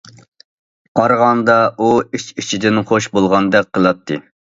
قارىغاندا ئۇ ئىچ- ئىچىدىن خۇش بولغاندەك قىلاتتى.